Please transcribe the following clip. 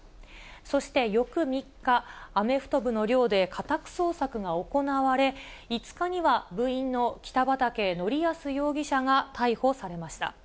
そして翌３日、アメフト部の寮で家宅捜索が行われ、５日には部員の北畠成文容疑者が逮捕されました。